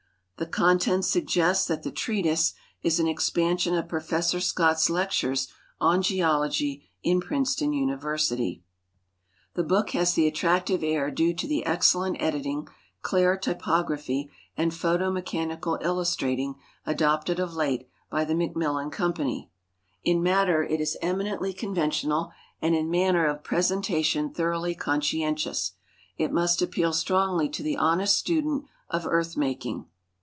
The contents suggest that the treatise, is an expansion of Professor Scott's lectures on geology in Prince ton Universitv. 92 GEOGRAPHIC SERIALS The book has the attractive air due to the excellent editing, clear typog raphy, and j)hoto mechanical illustrating adopted of late by The Mac millan Company. In matter it is eminently conventional, and in manner of presentation thoroughly conscientious. It must appeal strongly to the honest student of earth making.